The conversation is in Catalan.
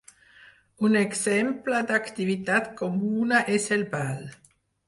Un exemple d'activitat comuna és el ball.